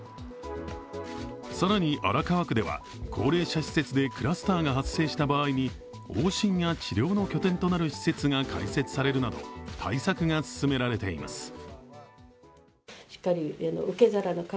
更に荒川区では、高齢者施設でクラスターが発生した場合に往診や治療の拠点となる施設が開設されるなど対策が進められています。